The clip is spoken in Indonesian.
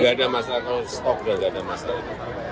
nggak ada masalah kalau stok nggak ada masalah